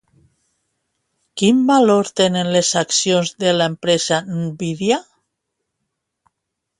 Quin valor tenen les accions de l'empresa Nvidia?